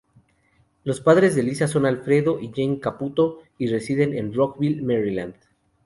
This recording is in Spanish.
Los padres de Lisa son Alfredo y Jane Caputo y residen en Rockville, Maryland.